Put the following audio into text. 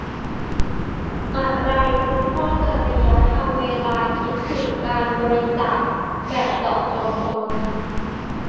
อะไรคือข้อจริยธรรมเวลาคิดถึงการบริจาคแบบเจาะจงคน